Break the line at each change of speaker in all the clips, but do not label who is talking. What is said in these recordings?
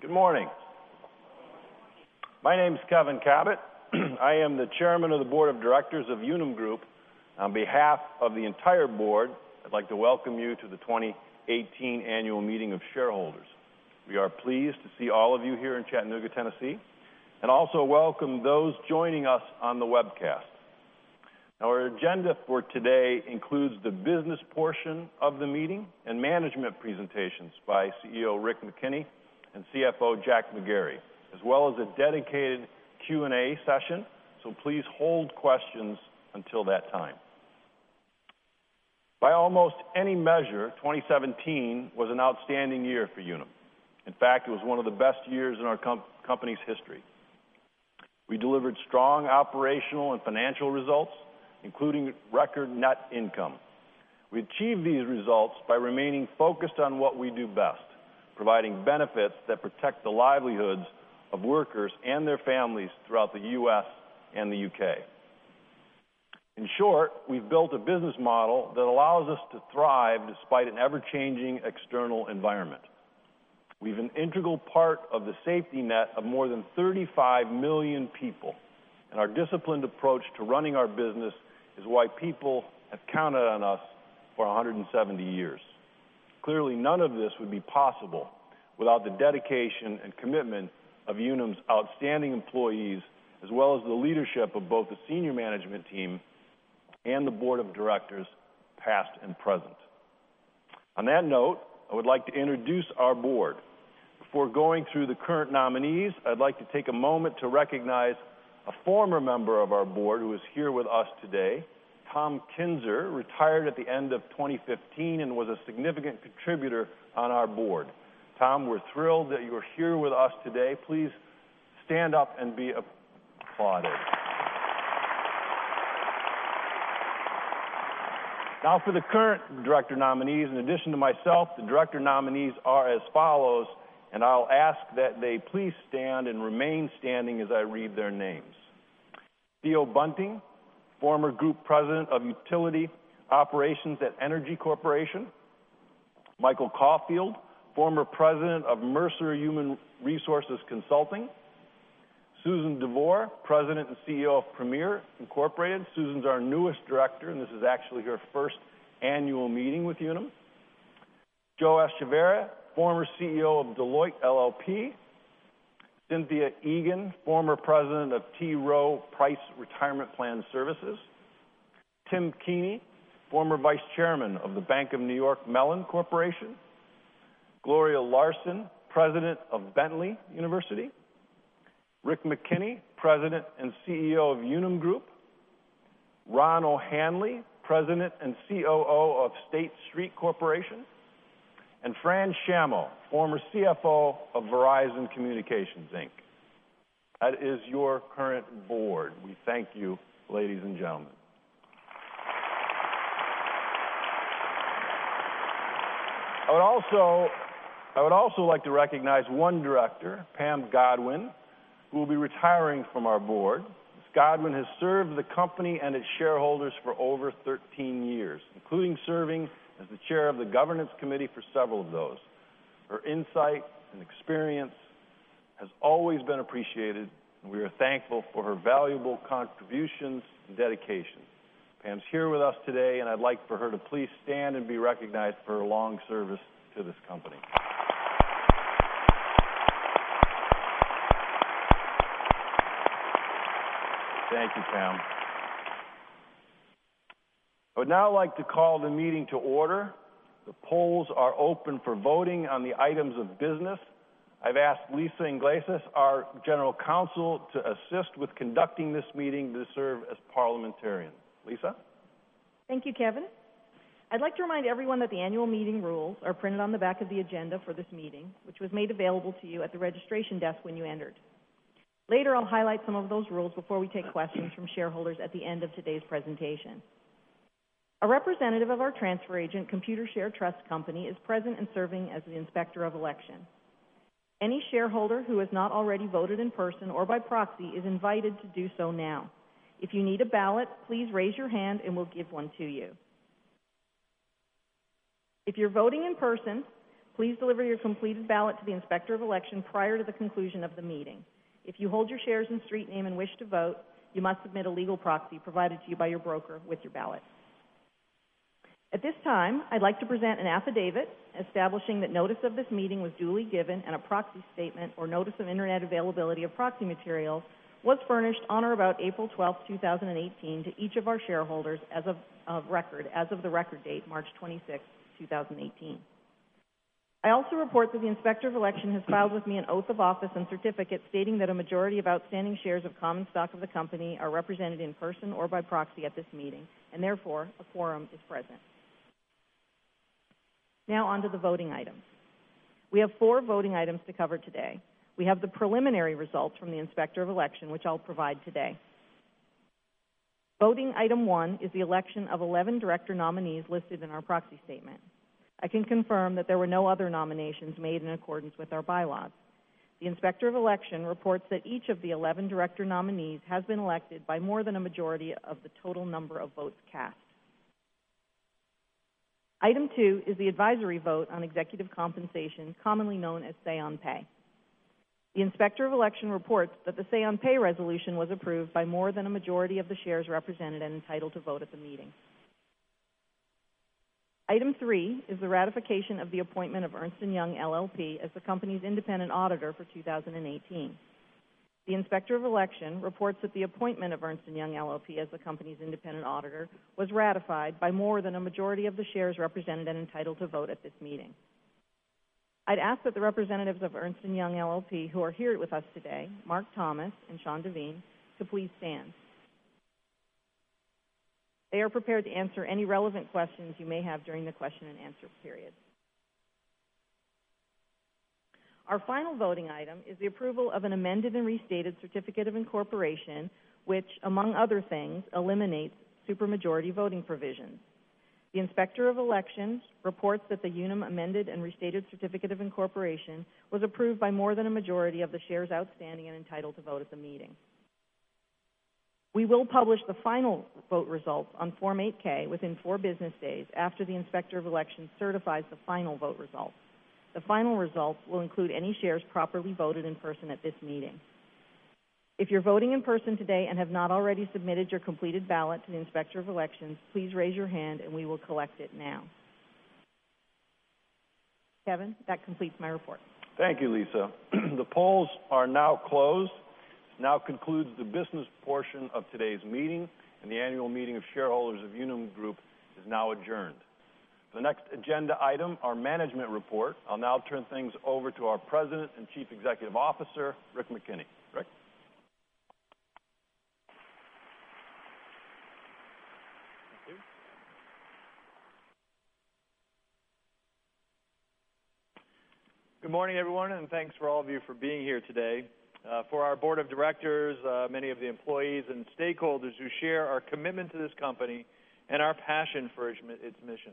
Good morning. My name's Kevin Kabat. I am the Chairman of the Board of Directors of Unum Group. On behalf of the entire board, I'd like to welcome you to the 2018 annual meeting of shareholders. We are pleased to see all of you here in Chattanooga, Tennessee, and also welcome those joining us on the webcast. Our agenda for today includes the business portion of the meeting and management presentations by CEO Rick McKenney and CFO Jack McGarry, as well as a dedicated Q&A session. Please hold questions until that time. By almost any measure, 2017 was an outstanding year for Unum. In fact, it was one of the best years in our company's history. We delivered strong operational and financial results, including record net income. We achieved these results by remaining focused on what we do best, providing benefits that protect the livelihoods of workers and their families throughout the U.S. and the U.K. In short, we've built a business model that allows us to thrive despite an ever-changing external environment. We've an integral part of the safety net of more than 35 million people. Our disciplined approach to running our business is why people have counted on us for 170 years. Clearly, none of this would be possible without the dedication and commitment of Unum's outstanding employees, as well as the leadership of both the senior management team and the Board of Directors, past and present. On that note, I would like to introduce our board. Before going through the current nominees, I'd like to take a moment to recognize a former member of our board who is here with us today. Tom Kinser retired at the end of 2015 and was a significant contributor on our board. Tom, we're thrilled that you're here with us today. Please stand up and be applauded. For the current director nominees. In addition to myself, the director nominees are as follows. I'll ask that they please stand and remain standing as I read their names. Theo Bunting, former Group President of Utility Operations at Entergy Corporation. Michael Caulfield, former President of Mercer Human Resource Consulting. Susan DeVore, President and CEO of Premier Inc. Susan's our newest director, and this is actually her first annual meeting with Unum. Joe Echevarria, former CEO of Deloitte LLP. Cynthia Egan, former President of T. Rowe Price Retirement Plan Services. Tim Keaney, former Vice Chairman of The Bank of New York Mellon Corporation. Gloria Larson, President of Bentley University. Rick McKenney, President and CEO of Unum Group. Ron O'Hanley, President and COO of State Street Corporation. Fran Shammo, former CFO of Verizon Communications Inc. That is your current board. We thank you, ladies and gentlemen. I would also like to recognize one director, Pam Godwin, who will be retiring from our board. Ms. Godwin has served the company and its shareholders for over 13 years, including serving as the chair of the governance committee for several of those. Her insight and experience has always been appreciated. We are thankful for her valuable contributions and dedication. Pam's here with us today. I'd like for her to please stand and be recognized for her long service to this company. Thank you, Pam. I would like to call the meeting to order. The polls are open for voting on the items of business. I've asked Lisa Iglesias, our general counsel, to assist with conducting this meeting to serve as parliamentarian. Lisa?
Thank you, Kevin. I'd like to remind everyone that the annual meeting rules are printed on the back of the agenda for this meeting, which was made available to you at the registration desk when you entered. Later, I'll highlight some of those rules before we take questions from shareholders at the end of today's presentation. A representative of our transfer agent, Computershare Trust Company, is present and serving as the inspector of election. Any shareholder who has not already voted in person or by proxy is invited to do so now. If you need a ballot, please raise your hand and we'll give one to you. If you're voting in person, please deliver your completed ballot to the inspector of election prior to the conclusion of the meeting. If you hold your shares in street name and wish to vote, you must submit a legal proxy provided to you by your broker with your ballot. At this time, I'd like to present an affidavit establishing that notice of this meeting was duly given and a proxy statement or notice of internet availability of proxy materials was furnished on or about April 12th, 2018, to each of our shareholders as of the record date, March 26th, 2018. I also report that the inspector of election has filed with me an oath of office and certificate stating that a majority of outstanding shares of common stock of the company are represented in person or by proxy at this meeting, and therefore, a quorum is present. Now on to the voting items. We have four voting items to cover today. We have the preliminary results from the inspector of election, which I'll provide today. Voting item one is the election of 11 director nominees listed in our proxy statement. I can confirm that there were no other nominations made in accordance with our bylaws. The inspector of election reports that each of the 11 director nominees has been elected by more than a majority of the total number of votes cast. Item two is the advisory vote on executive compensation, commonly known as say on pay. The Inspector of Election reports that the say on pay resolution was approved by more than a majority of the shares represented and entitled to vote at the meeting. Item three is the ratification of the appointment of Ernst & Young LLP as the company's independent auditor for 2018. The Inspector of Election reports that the appointment of Ernst & Young LLP as the company's independent auditor was ratified by more than a majority of the shares represented and entitled to vote at this meeting. I'd ask that the representatives of Ernst & Young LLP who are here with us today, Mark Thomas and Sean Devine, to please stand. They are prepared to answer any relevant questions you may have during the question and answer period. Our final voting item is the approval of an amended and restated certificate of incorporation, which among other things, eliminates super majority voting provisions. The Inspector of Elections reports that the Unum amended and restated certificate of incorporation was approved by more than a majority of the shares outstanding and entitled to vote at the meeting. We will publish the final vote results on Form 8-K within four business days after the Inspector of Election certifies the final vote results. The final results will include any shares properly voted in person at this meeting. If you're voting in person today and have not already submitted your completed ballot to the Inspector of Elections, please raise your hand and we will collect it now. Kevin, that completes my report.
Thank you, Lisa. The polls are now closed. This now concludes the business portion of today's meeting, and the annual meeting of shareholders of Unum Group is now adjourned. For the next agenda item, our management report, I'll now turn things over to our President and Chief Executive Officer, Rick McKenney. Rick.
Thank you. Good morning, everyone, and thanks for all of you for being here today, for our board of directors, many of the employees and stakeholders who share our commitment to this company and our passion for its mission.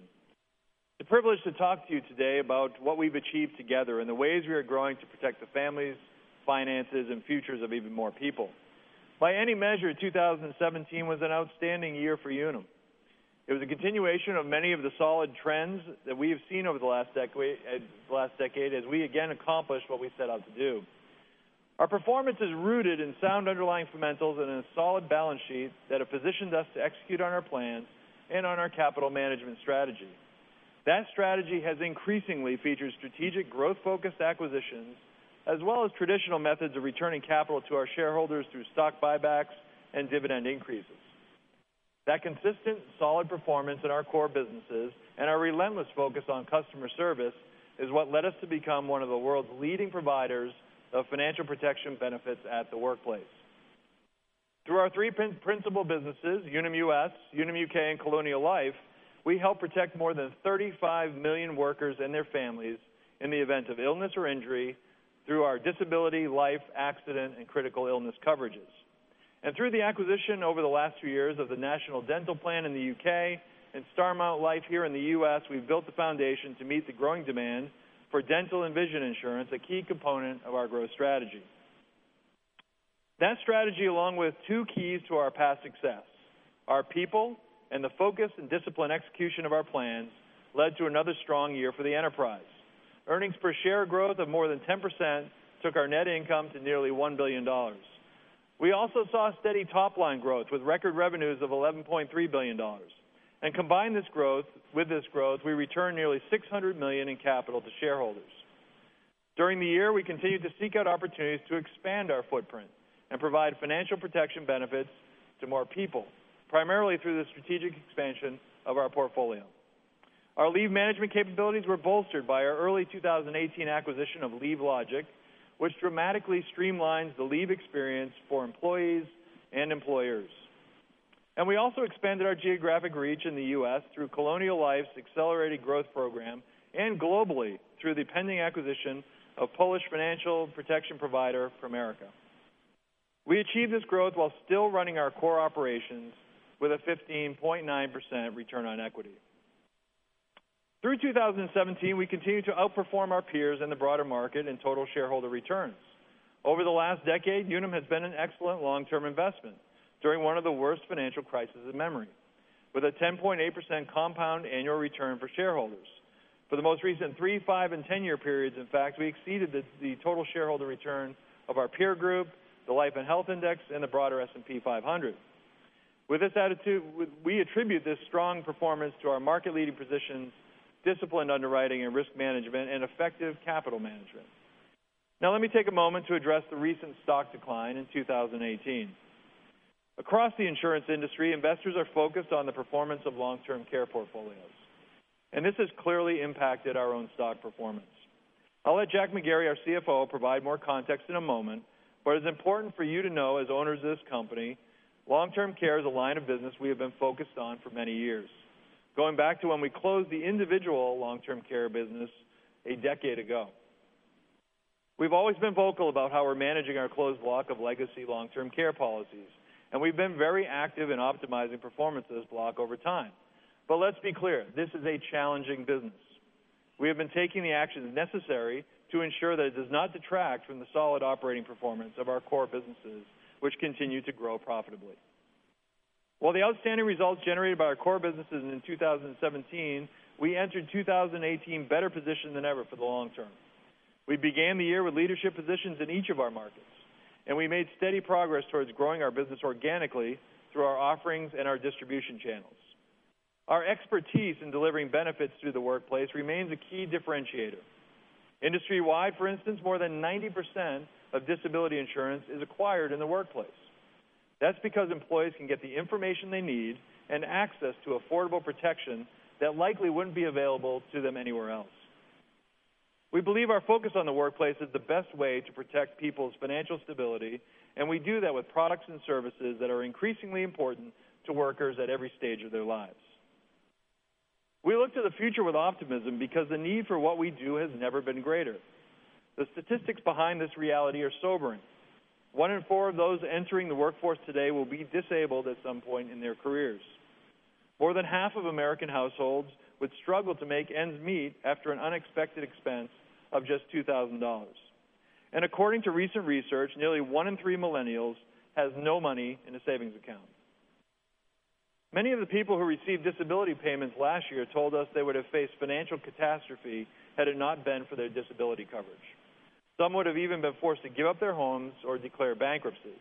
It's a privilege to talk to you today about what we've achieved together and the ways we are growing to protect the families, finances, and futures of even more people. By any measure, 2017 was an outstanding year for Unum. It was a continuation of many of the solid trends that we have seen over the last decade as we again accomplished what we set out to do. Our performance is rooted in sound underlying fundamentals and in a solid balance sheet that has positioned us to execute on our plans and on our capital management strategy. That strategy has increasingly featured strategic growth-focused acquisitions as well as traditional methods of returning capital to our shareholders through stock buybacks and dividend increases. That consistent, solid performance in our core businesses and our relentless focus on customer service is what led us to become one of the world's leading providers of financial protection benefits at the workplace. Through our three principal businesses, Unum US, Unum UK, and Colonial Life, we help protect more than 35 million workers and their families in the event of illness or injury through our Disability Insurance, life insurance, accident, and critical illness coverages. Through the acquisition over the last few years of the National Dental Plan in the U.K. and Starmount Life here in the U.S., we've built the foundation to meet the growing demand for dental and vision insurance, a key component of our growth strategy. That strategy, along with two keys to our past success, our people and the focused and disciplined execution of our plans, led to another strong year for the enterprise. Earnings per share growth of more than 10% took our net income to nearly $1 billion. We also saw steady top-line growth with record revenues of $11.3 billion. Combined with this growth, we returned nearly $600 million in capital to shareholders. During the year, we continued to seek out opportunities to expand our footprint and provide financial protection benefits to more people, primarily through the strategic expansion of our portfolio. Our leave management capabilities were bolstered by our early 2018 acquisition of LeaveLogic, which dramatically streamlines the leave experience for employees and employers. We also expanded our geographic reach in the U.S. through Colonial Life's accelerated growth program and globally through the pending acquisition of Polish financial protection provider, Pramerica. We achieved this growth while still running our core operations with a 15.9% return on equity. Through 2017, we continued to outperform our peers in the broader market in total shareholder returns. Over the last decade, Unum has been an excellent long-term investment during one of the worst financial crises in memory, with a 10.8% compound annual return for shareholders. For the most recent three, five, and 10-year periods, in fact, we exceeded the total shareholder return of our peer group, the Life and Health Index, and the broader S&P 500. We attribute this strong performance to our market-leading positions, disciplined underwriting and risk management, and effective capital management. Now let me take a moment to address the recent stock decline in 2018. Across the insurance industry, investors are focused on the performance of long-term care portfolios, and this has clearly impacted our own stock performance. I'll let Jack McGarry, our CFO, provide more context in a moment, but it's important for you to know, as owners of this company, long-term care is a line of business we have been focused on for many years, going back to when we closed the individual long-term care business a decade ago. We've always been vocal about how we're managing our closed block of legacy long-term care policies, and we've been very active in optimizing performance of this block over time. Let's be clear, this is a challenging business. We have been taking the actions necessary to ensure that it does not detract from the solid operating performance of our core businesses, which continue to grow profitably. While the outstanding results generated by our core businesses in 2017, we entered 2018 better positioned than ever for the long term. We began the year with leadership positions in each of our markets. We made steady progress towards growing our business organically through our offerings and our distribution channels. Our expertise in delivering benefits through the workplace remains a key differentiator. Industry-wide, for instance, more than 90% of Disability Insurance is acquired in the workplace. That's because employees can get the information they need and access to affordable protection that likely wouldn't be available to them anywhere else. We believe our focus on the workplace is the best way to protect people's financial stability. We do that with products and services that are increasingly important to workers at every stage of their lives. We look to the future with optimism because the need for what we do has never been greater. The statistics behind this reality are sobering. One in four of those entering the workforce today will be disabled at some point in their careers. More than half of American households would struggle to make ends meet after an unexpected expense of just $2,000. According to recent research, nearly one in three millennials has no money in a savings account. Many of the people who received disability payments last year told us they would have faced financial catastrophe had it not been for their Disability coverage. Some would have even been forced to give up their homes or declare bankruptcy.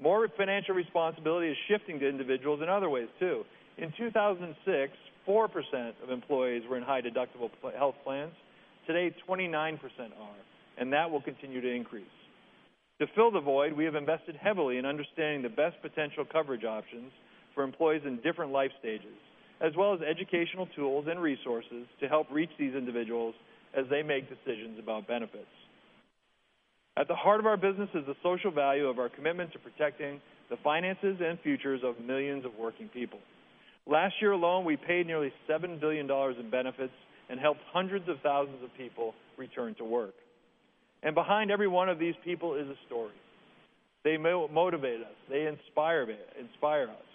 More financial responsibility is shifting to individuals in other ways, too. In 2006, 4% of employees were in high deductible health plans. Today, 29% are. That will continue to increase. To fill the void, we have invested heavily in understanding the best potential coverage options for employees in different life stages, as well as educational tools and resources to help reach these individuals as they make decisions about benefits. At the heart of our business is the social value of our commitment to protecting the finances and futures of millions of working people. Last year alone, we paid nearly $7 billion in benefits and helped hundreds of thousands of people return to work. Behind every one of these people is a story. They motivate us, they inspire us,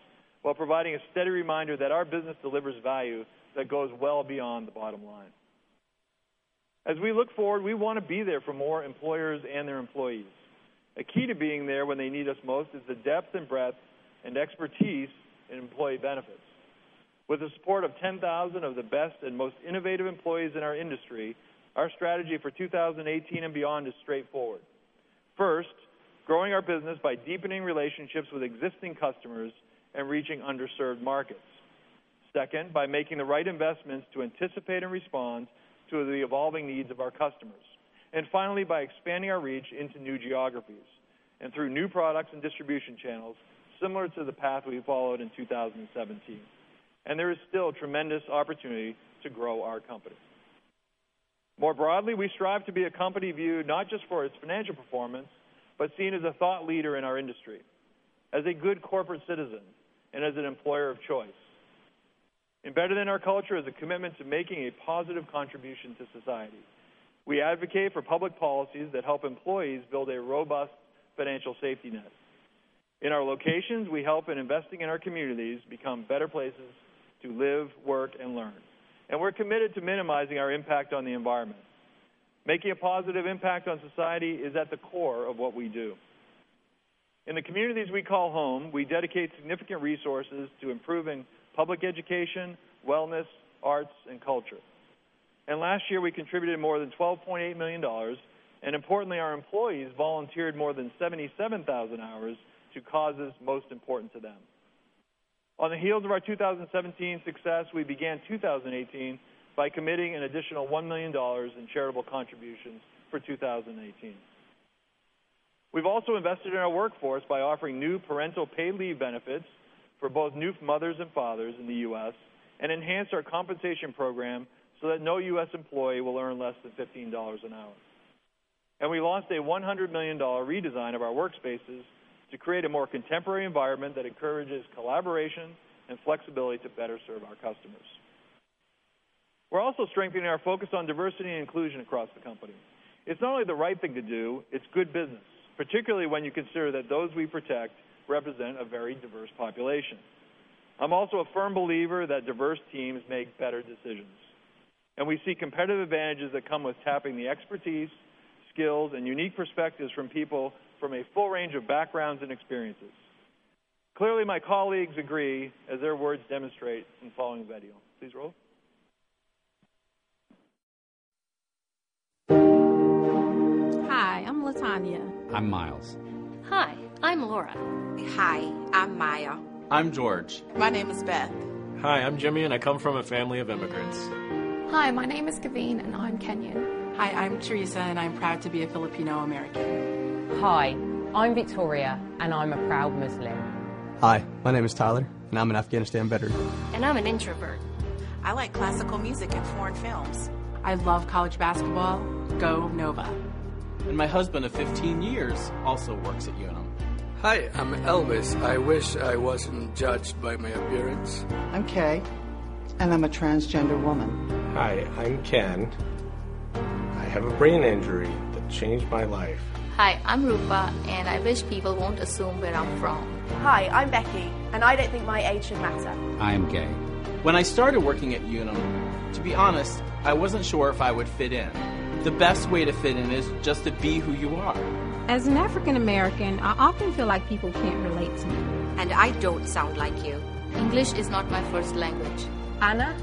while providing a steady reminder that our business delivers value that goes well beyond the bottom line. As we look forward, we want to be there for more employers and their employees. A key to being there when they need us most is the depth and breadth and expertise in employee benefits. With the support of 10,000 of the best and most innovative employees in our industry, our strategy for 2018 and beyond is straightforward. First, growing our business by deepening relationships with existing customers and reaching underserved markets. Second, by making the right investments to anticipate and respond to the evolving needs of our customers. Finally, by expanding our reach into new geographies and through new products and distribution channels similar to the path we followed in 2017. There is still tremendous opportunity to grow our company. More broadly, we strive to be a company viewed not just for its financial performance, but seen as a thought leader in our industry, as a good corporate citizen, and as an employer of choice. Embedded in our culture is a commitment to making a positive contribution to society. We advocate for public policies that help employees build a robust financial safety net. In our locations, we help in investing in our communities become better places to live, work, and learn. We're committed to minimizing our impact on the environment. Making a positive impact on society is at the core of what we do. In the communities we call home, we dedicate significant resources to improving public education, wellness, arts, and culture. Last year, we contributed more than $12.8 million, and importantly, our employees volunteered more than 77,000 hours to causes most important to them. On the heels of our 2017 success, we began 2018 by committing an additional $1 million in charitable contributions for 2018. We've also invested in our workforce by offering new parental paid leave benefits for both new mothers and fathers in the U.S. and enhanced our compensation program so that no U.S. employee will earn less than $15 an hour. We launched a $100 million redesign of our workspaces to create a more contemporary environment that encourages collaboration and flexibility to better serve our customers. We're also strengthening our focus on diversity and inclusion across the company. It's not only the right thing to do, it's good business, particularly when you consider that those we protect represent a very diverse population. I'm also a firm believer that diverse teams make better decisions. We see competitive advantages that come with tapping the expertise, skills, and unique perspectives from people from a full range of backgrounds and experiences. Clearly, my colleagues agree, as their words demonstrate in the following video. Please roll.
Hi, I'm LaTonya. I'm Miles. Hi, I'm Laura. Hi, I'm Maya. I'm George. My name is Beth. Hi, I'm Jimmy, and I come from a family of immigrants. Hi, my name is Kavin, and I'm Kenyan. Hi, I'm Teresa, and I'm proud to be a Filipino American. Hi, I'm Victoria. I'm a proud Muslim. Hi, my name is Tyler. I'm an Afghanistan veteran. I'm an introvert. I like classical music and foreign films. I love college basketball. Go Villanova. My husband of 15 years also works at Unum. Hi, I'm Elvis. I wish I wasn't judged by my appearance. I'm Kay, and I'm a transgender woman. Hi, I'm Ken. I have a brain injury that changed my life. Hi, I'm Rupa, and I wish people won't assume where I'm from. Hi, I'm Becky, and I don't think my age should matter. I am gay. When I started working at Unum, to be honest, I wasn't sure if I would fit in. The best way to fit in is just to be who you are. As an African American, I often feel like people can't relate to me. I don't sound like you. English is not my first language. I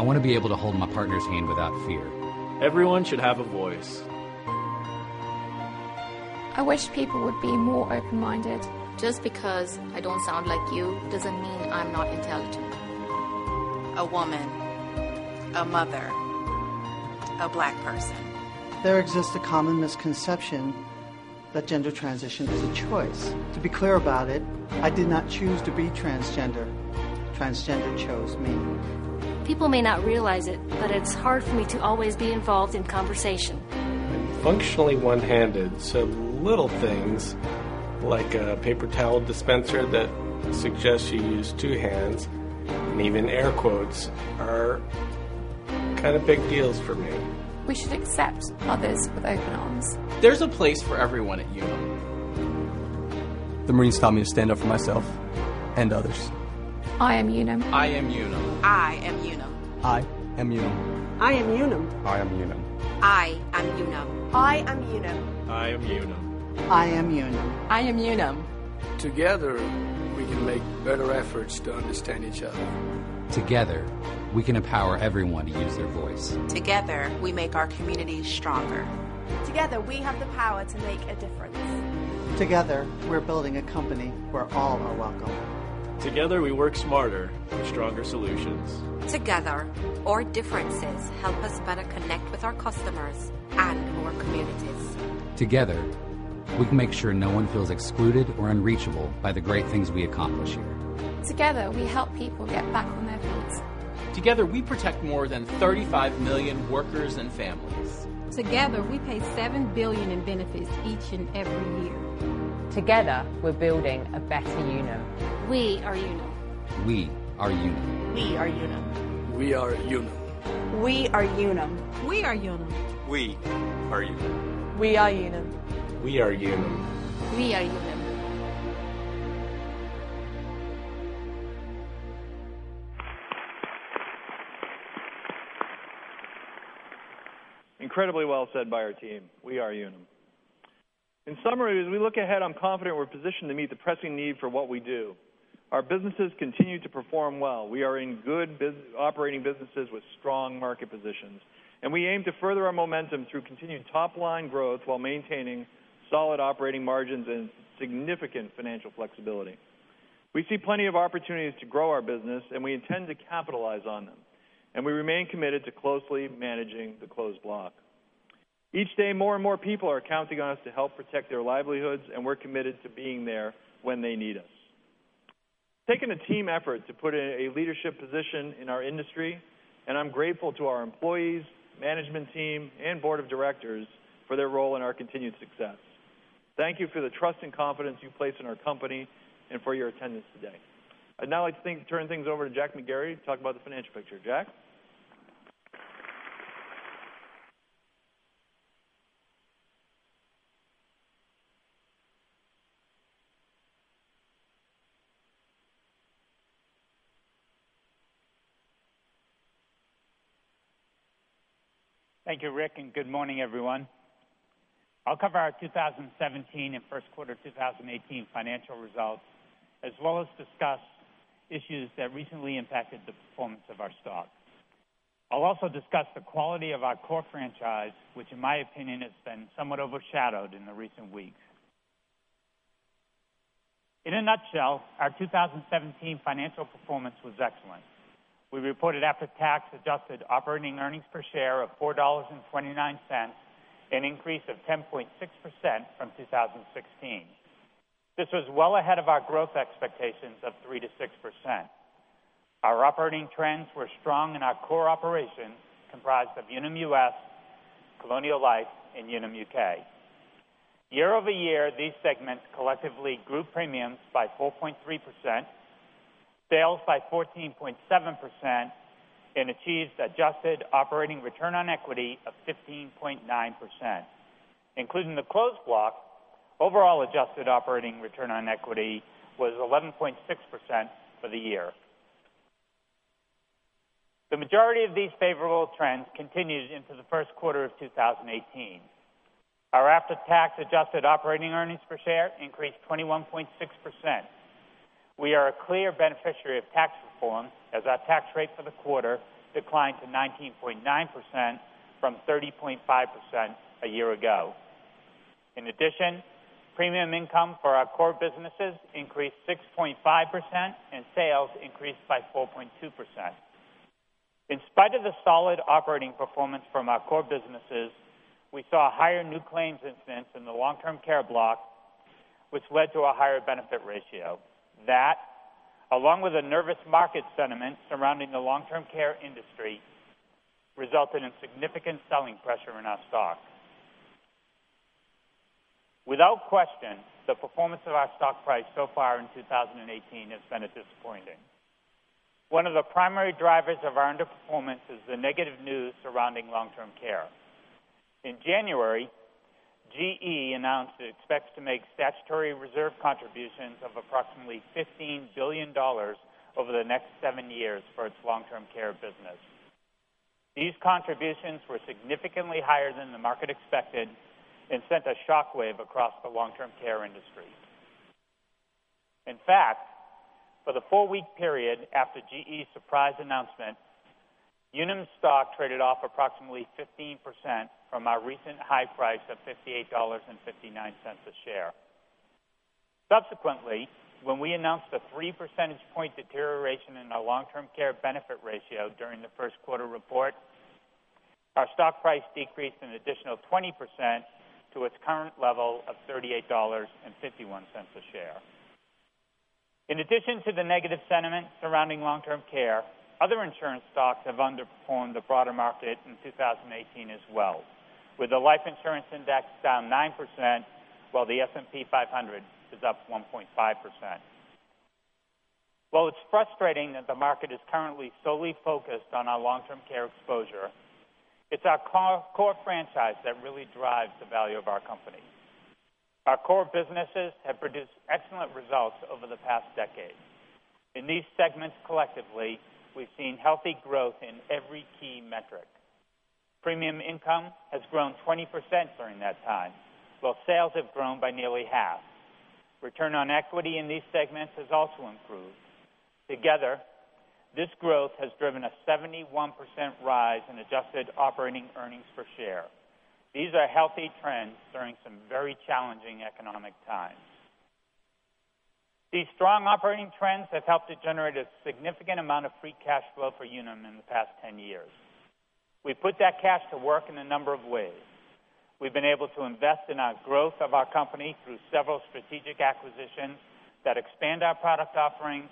want to be able to hold my partner's hand without fear. Everyone should have a voice. I wish people would be more open-minded. Just because I don't sound like you doesn't mean I'm not intelligent. A woman, a mother, a Black person. There exists a common misconception that gender transition is a choice. To be clear about it, I did not choose to be transgender. Transgender chose me. People may not realize it, but it's hard for me to always be involved in conversation. I'm functionally one-handed, so little things like a paper towel dispenser that suggests you use two hands, and even air quotes are kind of big deals for me. We should accept others with open arms. There's a place for everyone at Unum. The Marines taught me to stand up for myself and others. I am Unum. I am Unum. I am Unum. I am Unum. I am Unum. I am Unum. I am Unum. I am Unum. I am Unum. I am Unum. I am Unum.
Incredibly well said by our team. We are Unum. In summary, as we look ahead, I'm confident we're positioned to meet the pressing need for what we do. Our businesses continue to perform well. We are in good operating businesses with strong market positions, and we aim to further our momentum through continued top-line growth while maintaining solid operating margins and significant financial flexibility. We see plenty of opportunities to grow our business, and we intend to capitalize on them, and we remain committed to closely managing the closed block. Each day, more and more people are counting on us to help protect their livelihoods, and we're committed to being there when they need us. It's taken a team effort to put in a leadership position in our industry, and I'm grateful to our employees, management team, and board of directors for their role in our continued success. Thank you for the trust and confidence you place in our company and for your attendance today. I'd now like to turn things over to Jack McGarry to talk about the financial picture. Jack?
Thank you, Rick. Good morning, everyone. I'll cover our 2017 and first quarter 2018 financial results, as well as discuss issues that recently impacted the performance of our stock. I'll also discuss the quality of our core franchise, which in my opinion, has been somewhat overshadowed in the recent weeks. In a nutshell, our 2017 financial performance was excellent. We reported after-tax adjusted operating earnings per share of $4.29, an increase of 10.6% from 2016. This was well ahead of our growth expectations of 3%-6%. Our operating trends were strong in our core operations comprised of Unum US, Colonial Life, and Unum UK. Year-over-year, these segments collectively grew premiums by 4.3%, sales by 14.7%, and achieved adjusted operating return on equity of 15.9%. Including the closed block, overall adjusted operating return on equity was 11.6% for the year. The majority of these favorable trends continued into the first quarter of 2018. Our after-tax adjusted operating earnings per share increased 21.6%. We are a clear beneficiary of tax reform as our tax rate for the quarter declined to 19.9% from 30.5% a year ago. In addition, premium income for our core businesses increased 6.5%, and sales increased by 4.2%. In spite of the solid operating performance from our core businesses, we saw higher new claims incidence in the long-term care block, which led to a higher benefit ratio. That, along with the nervous market sentiment surrounding the long-term care industry, resulted in significant selling pressure in our stock. Without question, the performance of our stock price so far in 2018 has been disappointing. One of the primary drivers of our underperformance is the negative news surrounding long-term care. In January, GE announced it expects to make statutory reserve contributions of approximately $15 billion over the next seven years for its long-term care business. These contributions were significantly higher than the market expected and sent a shockwave across the long-term care industry. In fact, for the four-week period after GE's surprise announcement, Unum stock traded off approximately 15% from our recent high price of $58.59 a share. Subsequently, when we announced a three percentage point deterioration in our long-term care benefit ratio during the first quarter report, our stock price decreased an additional 20% to its current level of $38.51 a share. In addition to the negative sentiment surrounding long-term care, other insurance stocks have underperformed the broader market in 2018 as well, with the Life and Health Index down 9%, while the S&P 500 is up 1.5%. While it's frustrating that the market is currently solely focused on our long-term care exposure, it's our core franchise that really drives the value of our company. Our core businesses have produced excellent results over the past decade. In these segments collectively, we've seen healthy growth in every key metric. Premium income has grown 20% during that time, while sales have grown by nearly half. Return on equity in these segments has also improved. Together, this growth has driven a 71% rise in adjusted operating earnings per share. These are healthy trends during some very challenging economic times. These strong operating trends have helped to generate a significant amount of free cash flow for Unum in the past 10 years. We've put that cash to work in a number of ways. We've been able to invest in our growth of our company through several strategic acquisitions that expand our product offerings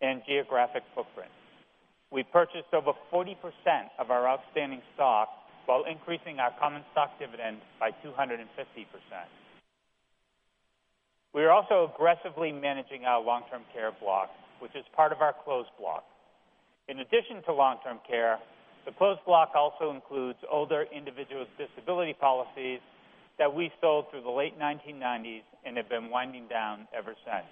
and geographic footprint. We purchased over 40% of our outstanding stock while increasing our common stock dividend by 250%. We are also aggressively managing our long-term care block, which is part of our closed block. In addition to long-term care, the closed block also includes older individual disability policies that we sold through the late 1990s and have been winding down ever since.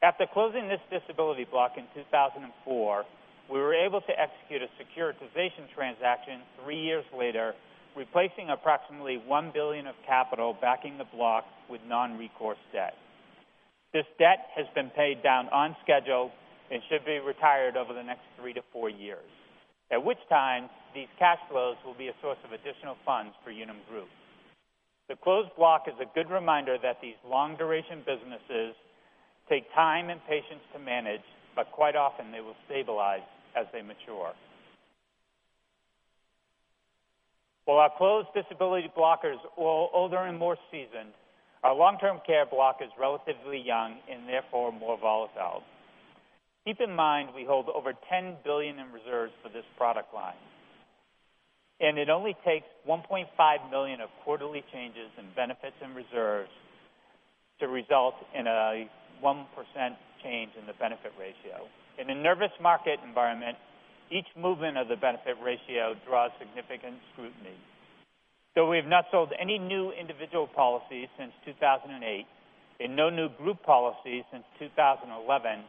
After closing this disability block in 2004, we were able to execute a securitization transaction three years later, replacing approximately $1 billion of capital backing the block with non-recourse debt. This debt has been paid down on schedule and should be retired over the next three to four years, at which time these cash flows will be a source of additional funds for Unum Group. The closed block is a good reminder that these long-duration businesses take time and patience to manage, but quite often they will stabilize as they mature. While our closed disability block is older and more seasoned, our long-term care block is relatively young and therefore more volatile. Keep in mind, we hold over $10 billion in reserves for this product line, and it only takes $1.5 million of quarterly changes in benefits and reserves to result in a 1% change in the benefit ratio. In a nervous market environment, each movement of the benefit ratio draws significant scrutiny. Though we've not sold any new individual policies since 2008 and no new group policies since 2011,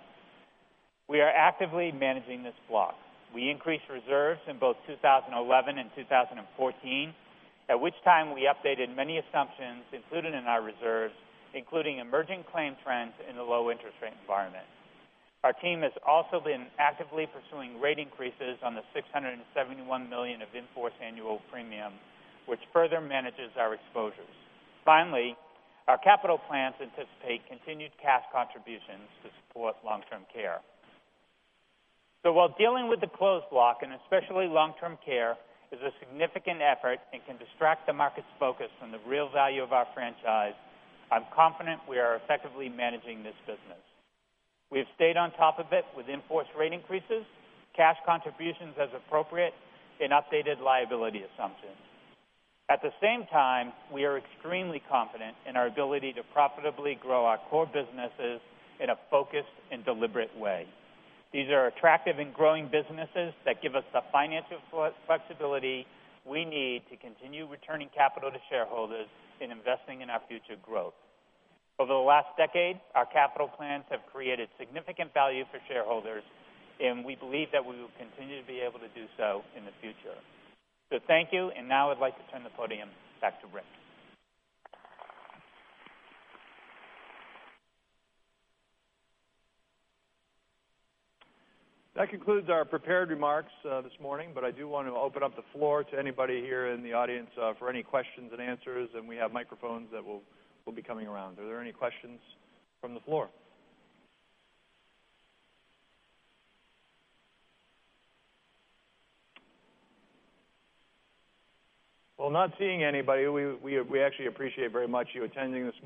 we are actively managing this block. We increased reserves in both 2011 and 2014, at which time we updated many assumptions included in our reserves, including emerging claim trends in the low interest rate environment. Our team has also been actively pursuing rate increases on the $671 million of in-force annual premium, which further manages our exposures. Finally, our capital plans anticipate continued cash contributions to support long-term care. While dealing with the closed block, and especially long-term care, is a significant effort and can distract the market's focus from the real value of our franchise, I'm confident we are effectively managing this business. We have stayed on top of it with in-force rate increases, cash contributions as appropriate, and updated liability assumptions. At the same time, we are extremely confident in our ability to profitably grow our core businesses in a focused and deliberate way. These are attractive and growing businesses that give us the financial flexibility we need to continue returning capital to shareholders and investing in our future growth. Over the last decade, our capital plans have created significant value for shareholders, and we believe that we will continue to be able to do so in the future. Thank you, and now I'd like to turn the podium back to Rick.
That concludes our prepared remarks this morning. I do want to open up the floor to anybody here in the audience for any questions and answers, and we have microphones that will be coming around. Are there any questions from the floor? Well, not seeing anybody, we actually appreciate very much you attending this morning